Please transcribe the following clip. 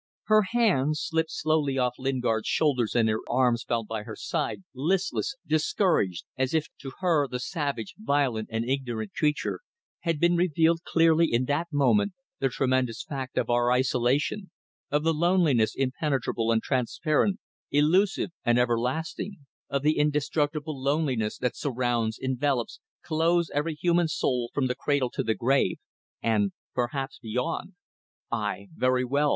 Her hands slipped slowly off Lingard's shoulders and her arms fell by her side, listless, discouraged, as if to her to her, the savage, violent, and ignorant creature had been revealed clearly in that moment the tremendous fact of our isolation, of the loneliness impenetrable and transparent, elusive and everlasting; of the indestructible loneliness that surrounds, envelopes, clothes every human soul from the cradle to the grave, and, perhaps, beyond. "Aye! Very well!